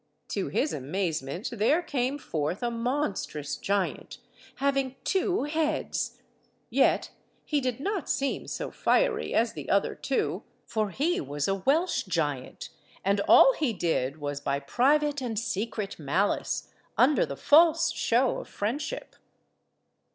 To his amazement there came forth a monstrous giant, having two heads, yet he did not seem so fiery as the other two, for he was a Welsh giant, and all he did was by private and secret malice, under the false show of friendship.